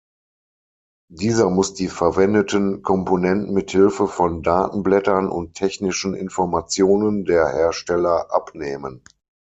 Dieser muss die verwendeten Komponenten mithilfe von Datenblättern und technischen Informationen der Hersteller abnehmen.